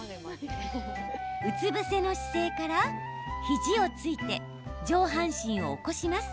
うつ伏せの姿勢から肘をついて上半身を起こします。